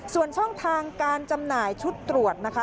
ส่วนช่องทางการจำหน่ายชุดตรวจนะคะ